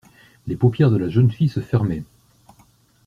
Les paupières de la jeune fille se fermaient.